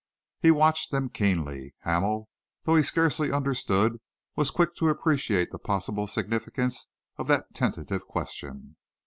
He watched them keenly. Hamel, though he scarcely understood, was quick to appreciate the possible significance of that tentative question.